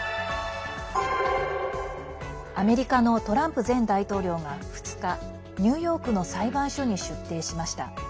アメリカのトランプ前大統領が２日ニューヨークの裁判所に出廷しました。